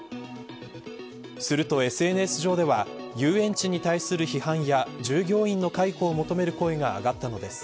するとＳＮＳ上では遊園地に対する批判や従業員の解雇を求める声が上がったのです。